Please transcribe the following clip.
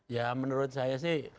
ya menurut saya sih